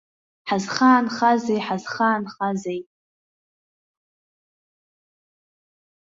Ҳазхаанхазеи, ҳазхаанхазеи!